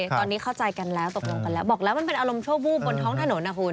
ตอนนี้เข้าใจกันแล้วตกลงกันแล้วบอกแล้วมันเป็นอารมณ์ชั่ววูบบนท้องถนนนะคุณ